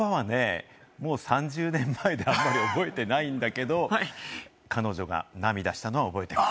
３０年前であまり覚えてないんだけど、彼女が涙したのは覚えてます。